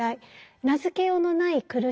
名付けようのない苦しさ